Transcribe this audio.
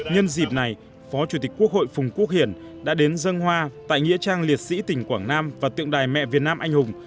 nhân dịp này phó chủ tịch quốc hội phùng quốc hiển đã đến dân hoa tại nghĩa trang liệt sĩ tỉnh quảng nam và tượng đài mẹ việt nam anh hùng